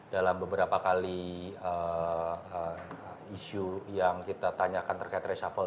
dalam beberapa kali isu yang kita tanyakan terkait reshuffle